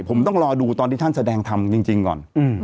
ผมต้องรอดูตอนที่ท่านแสดงธรรมจริงก่อน